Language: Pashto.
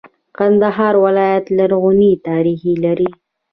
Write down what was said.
کندهار ولایت لرغونی تاریخ لري.